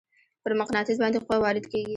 پر مقناطیس باندې قوه وارد کیږي.